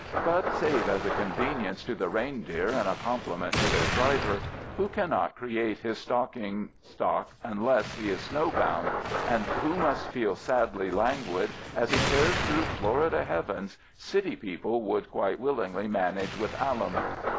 But save as a convenience to the reindeer and a compliment to their driver, who cannot create his stocking stock unless he is snowbound, and who must feel sadly languid as he tears through Florida heavens, city people would quite willingly manage with alum.